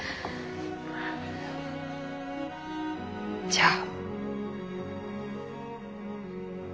じゃあ。